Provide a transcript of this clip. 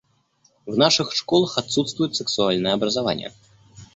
В наших школах отсутствует сексуальное образование.